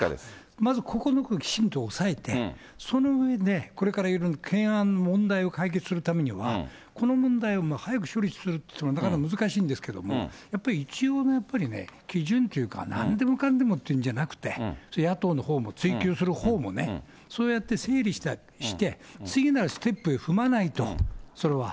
まずここのところをきちんと押さえて、その上で、これからいろいろ懸案の問題を解決するためにはこの問題を早く処理するのはなかなか難しいんですけれども、やっぱり一応、基準というか、なんでもかんでもっていうんじゃなくて、野党のほうも、追及するほうも、そうやって整理して、次なるステップを踏まないと、それは。